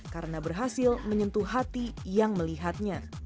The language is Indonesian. karena berhasil menyentuh hati yang melihatnya